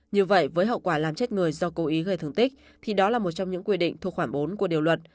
như vậy với hậu quả làm chết người do cố ý gây thương tích thì đó là một trong những quy định thuộc khoảng bốn của điều luật